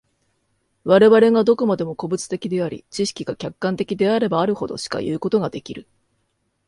我々がどこまでも個物的であり、知識が客観的であればあるほど、しかいうことができる。